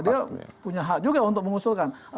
dia punya hak juga untuk mengusulkan